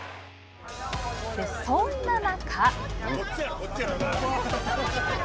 そんな中。